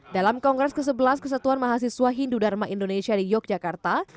dalam kongres ke sebelas kesatuan mahasiswa hindu dharma indonesia di yogyakarta